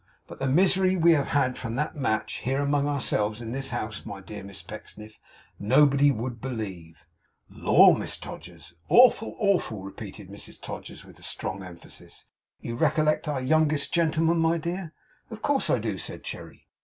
But the misery we have had from that match, here among ourselves, in this house, my dear Miss Pecksniff, nobody would believe.' 'Lor, Mrs Todgers!' 'Awful, awful!' repeated Mrs Todgers, with strong emphasis. 'You recollect our youngest gentleman, my dear?' 'Of course I do,' said Cherry.